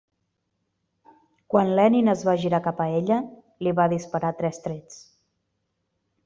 Quan Lenin es va girar cap a ella, li va disparar tres trets.